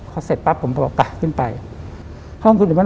พอเสร็จปั๊บผมก็บอกไปขึ้นไป